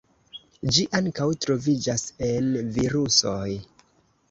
Ĝi ankaŭ troviĝas en virusoj.